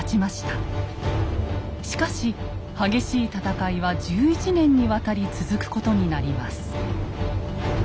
しかし激しい戦いは１１年にわたり続くことになります。